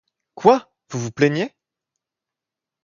Quoi ! vous vous plaignez ?